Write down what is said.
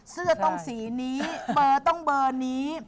เสื้อต้องสีนี้เบอร์ต้องเบอร์นี้